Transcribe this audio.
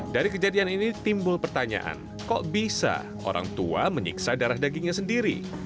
dari kejadian ini timbul pertanyaan kok bisa orang tua menyiksa darah dagingnya sendiri